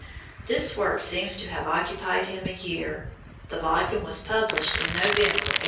This work seems to have occupied him a year. The volume was published in November, 1838.